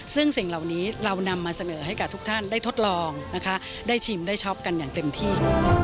ซึ่งสิ่งเหล่านี้เรานำมาเสนอให้กับทุกท่านได้ทดลองนะคะได้ชิมได้ช็อปกันอย่างเต็มที่